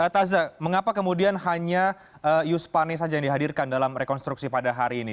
taza mengapa kemudian hanya yus pane saja yang dihadirkan dalam rekonstruksi pada hari ini